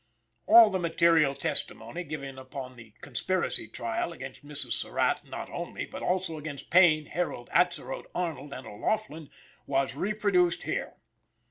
All the material testimony given upon the "Conspiracy Trial" against Mrs. Surratt, not only, but also against Payne, Herold, Atzerodt, Arnold and O'Laughlin, was reproduced here.